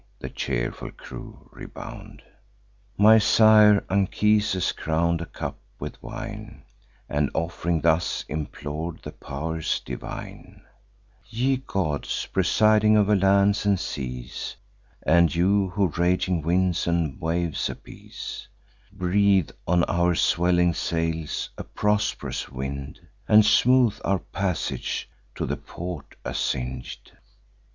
the cheerful crew rebound. My sire Anchises crown'd a cup with wine, And, off'ring, thus implor'd the pow'rs divine: 'Ye gods, presiding over lands and seas, And you who raging winds and waves appease, Breathe on our swelling sails a prosp'rous wind, And smooth our passage to the port assign'd!